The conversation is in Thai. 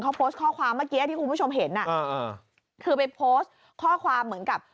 เขาโพสต์ข้อความเมื่อกี้ที่คุณผู้ชมเห็นอ่ะอ่าคือไปโพสต์ข้อความเหมือนกับ